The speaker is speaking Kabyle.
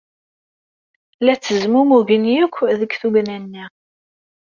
La ttezmumugen akk deg tugna-nni.